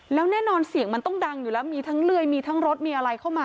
แล้วแน่นอนเสียงมันต้องดังอยู่แล้วมีทั้งเลื่อยมีทั้งรถมีอะไรเข้ามา